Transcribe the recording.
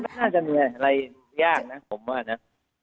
น่าจะมีอะไรยากนะผมว่านะ